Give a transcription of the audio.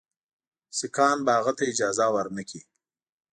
سیکهان به هغه ته اجازه ورنه کړي.